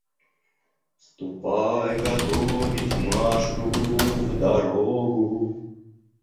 Ступай готовить Машу в дорогу.